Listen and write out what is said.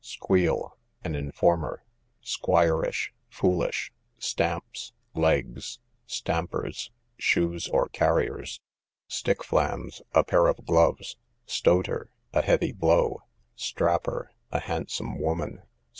Squeel, an informer. Squirrish, foolish. Stamps, legs. Stampers, shoes, or carriers. Stick flams, a pair of gloves. Stoter, a heavy blow. Strapper, a handsome woman.